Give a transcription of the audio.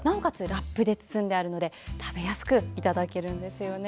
ラップで包んであるので食べやすくいただけるんですよね。